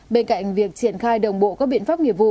bên cạnh việc triển khai đồng bộ các biện pháp